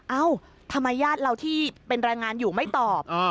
เอ้าทำไมญาติเราที่เป็นแรงงานอยู่ไม่ตอบ